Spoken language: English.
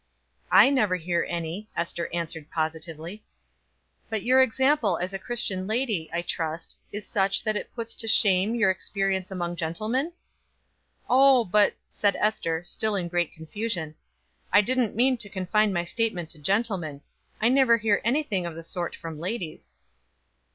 "I never hear any," Ester answered positively. "But your example as a Christian lady, I trust, is such that it puts to shame your experience among gentlemen?" "Oh but," said Ester, still in great confusion, "I didn't mean to confine my statement to gentlemen. I never hear anything of the sort from ladies."